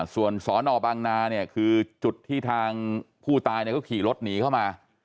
ส่วนสรนอปอังนาคือจุดที่ทางผู้ตายก็ขี่รถหนีเข้ามา